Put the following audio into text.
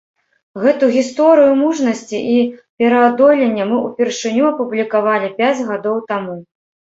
Гэту гісторыю мужнасці і пераадолення мы ўпершыню апублікавалі пяць гадоў таму.